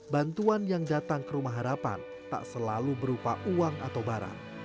bantuan yang datang ke rumah harapan tak selalu berupa uang atau barang